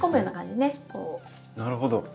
なるほど。